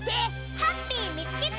ハッピーみつけた！